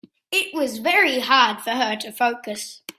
It was very hard for her to focus.